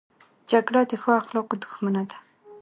جګړه د ښو اخلاقو دښمنه ده